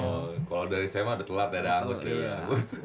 oh kalau dari saya mah ada telat ya ada angus nih